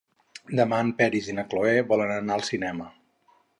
Demà en Peris i na Cloè volen anar al cinema.